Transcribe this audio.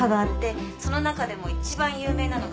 その中でも一番有名なのが。